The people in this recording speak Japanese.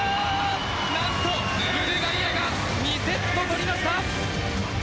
なんと、ブルガリアが２セット取りました。